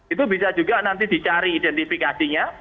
itu bisa juga nanti dicari identifikasinya